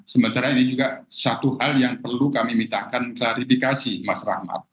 sementara ini juga satu hal yang perlu kami mintakan klarifikasi mas rahmat